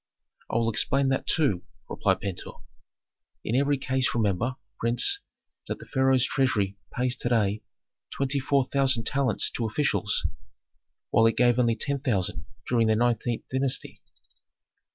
"I will explain that too," replied Pentuer. "In every case remember, prince, that the pharaoh's treasury pays to day twenty four thousand talents to officials, while it gave only ten thousand during the nineteenth dynasty."